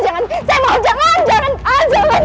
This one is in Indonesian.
saya mohon jangan jangan jangan